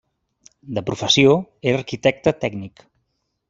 De professió era arquitecte tècnic.